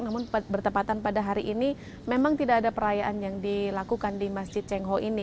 namun bertepatan pada hari ini memang tidak ada perayaan yang dilakukan di masjid cengho ini